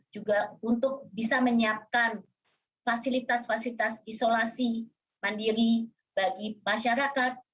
juga untuk bisa menyiapkan fasilitas fasilitas isolasi mandiri bagi masyarakat